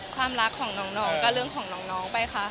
ความรักของน้องก็เรื่องของน้องไปค่ะ